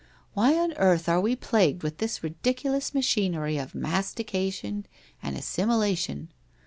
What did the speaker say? ' Why on earth are we plagued with this ridiculous machinery of mastication and assimilation?